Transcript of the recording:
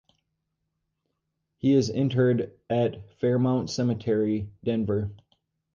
He is interred at Fairmount Cemetery, Denver.